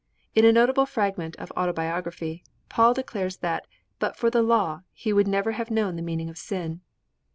In a notable fragment of autobiography, Paul declares that, but for the law, he would never have known the meaning of sin.